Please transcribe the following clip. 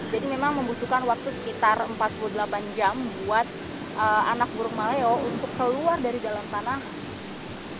jadi memang membutuhkan waktu sekitar empat puluh delapan jam buat anak burung maleo untuk keluar dari dalam tanah ke daerah tadi